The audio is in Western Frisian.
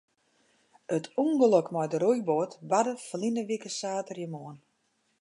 It ûngelok mei de roeiboat barde ferline wike saterdeitemoarn.